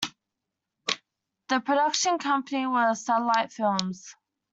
The production company was Satellite Films.